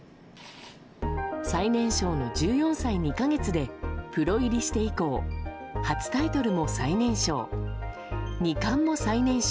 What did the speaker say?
最年少の１４歳２か月でプロ入りして以降初タイトルも最年少二冠も最年少。